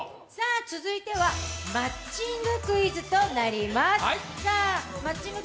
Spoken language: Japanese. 続いてはマッチングクイズです。